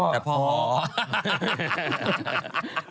แล้วพ่อฮอ